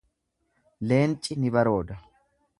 leenci ni barooda.